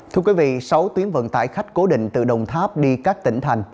thưa quý vị sáu tuyến vận tải khách cố định từ đồng tháp đi các tỉnh thành